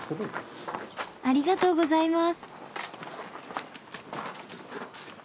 ありがとうございます。